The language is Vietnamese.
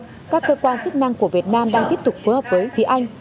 sau đó các cơ quan chức năng của việt nam đang tiếp tục phối hợp với phía anh